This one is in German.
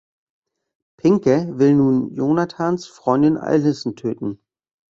Pinker will nun Jonathans Freundin Allison töten.